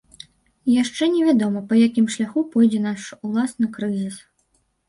Яшчэ невядома, па якім шляху пойдзе наш уласны крызіс.